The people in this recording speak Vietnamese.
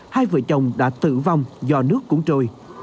hai vợ chồng đã tử vong do nước cuốn trôi